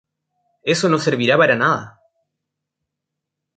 Eso no servirá para nada!